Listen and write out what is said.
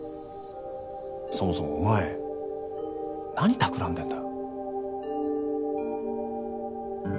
そもそもお前何たくらんでんだ？